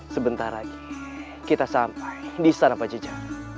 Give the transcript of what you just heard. sebentar lagi kita sampai di sana pak jeja